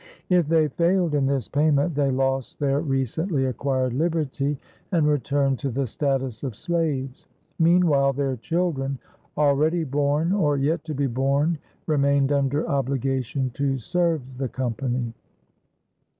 If they failed in this payment they lost their recently acquired liberty and returned to the status of slaves. Meanwhile, their children, already born or yet to be born, remained under obligation to serve the Company.